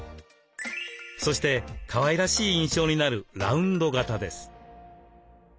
そしてかわいらしい印象になるラウンド型です。